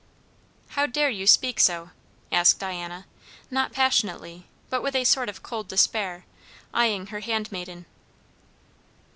"How dare you speak so?" asked Diana, not passionately, but with a sort of cold despair, eying her handmaiden.